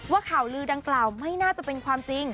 ข่าวลือดังกล่าวไม่น่าจะเป็นความจริง